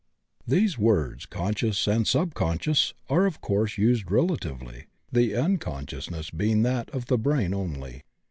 These words "conscious" and "sub conscious" are of course used relatively, the uncon sciousness being that of the brain only.